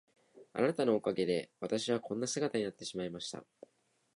あなたのおかげで私はこんな姿になってしまいました。